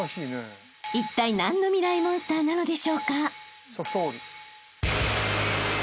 ［いったい何のミライ☆モンスターなのでしょうか？］